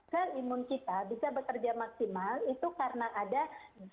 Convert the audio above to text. hal imun kita bisa bekerja maksimal itu karena ada zat yang berpengaruh